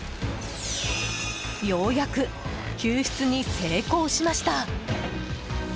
ようやく、救出に成功しました。